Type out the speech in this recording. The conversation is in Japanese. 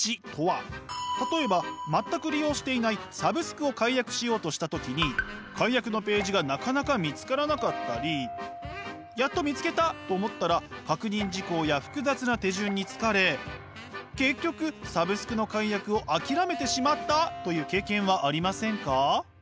例えば全く利用していないサブスクを解約しようとした時に解約のページがなかなか見つからなかったりやっと見つけたと思ったら確認事項や複雑な手順に疲れ結局サブスクの解約を諦めてしまった！という経験はありませんか？